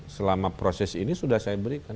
selama proses ini sudah saya berikan